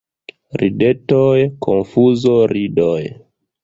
Ridetoj, konfuzo, ridoj.